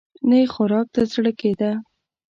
نه يې خوراک ته زړه کېده.